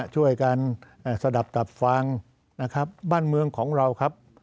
ช่วยการสะดับตับฟังบ้านเมืองของเราครับ